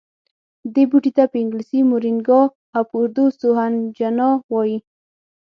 دې بوټي ته په انګلیسي مورینګا او په اردو سوهنجنا وايي